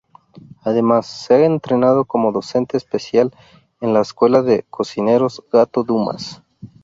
Además, se ha entrenado como docente especial en la escuela de cocineros "Gato Dumas".